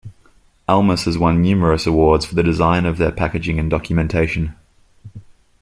Almus has won numerous awards for the design of their packaging and documentation.